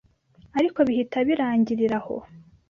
ariko bihita birangirira aho.